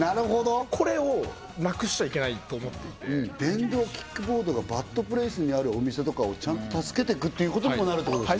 これをなくしちゃいけないと思っていて電動キックボードがバッドプレイスにあるお店とかをちゃんと助けていくっていうことにもなるってことですね